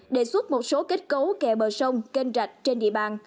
đề xuất một số kết cấu kè bờ sông kênh rạch trên địa bàn